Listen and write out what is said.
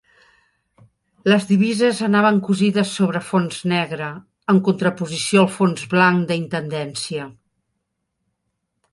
Les divises anaven cosides sobre fons negre, en contraposició al fons blanc d'Intendència.